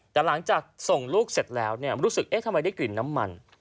แต่หลังจากส่งลูกเสร็จแล้วรู้สึกเอ๊ะทำไมได้กลิ่นน้ำมัน